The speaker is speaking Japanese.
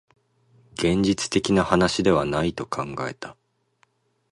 現実的な話ではないと考えた